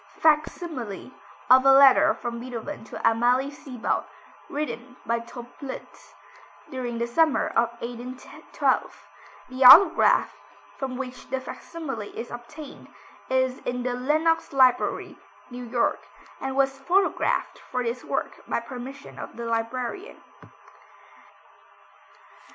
[Illustration: Fac simile of a letter from Beethoven to Amalie Seebald, written by Töplitz; during the summer of 1812. The autograph, from which the fac simile is obtained, is in the Lenox Library, New York, and was photographed for this work by permission of the librarian.